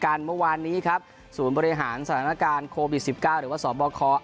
เมื่อวานนี้ครับศูนย์บริหารสถานการณ์โควิด๑๙หรือว่าสบค